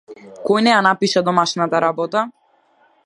Кој не ја напиша домашната работа?